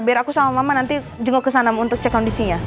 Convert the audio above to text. biar aku sama mama nanti jenguk ke sana untuk cek kondisinya